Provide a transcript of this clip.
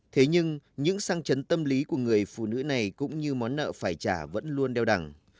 thế nhưng những sang chấn tâm lý của người phụ nữ này cũng như món nợ phải trả vẫn luôn đeo đẳng